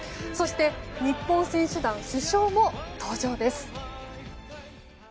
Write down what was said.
そして日本選手団主将も登場です。